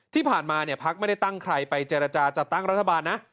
ที่ผ่านมาเนี่ยพักไม่ได้ตั้งใครไปเจรจาจัดตั้งรัฐบาลนะ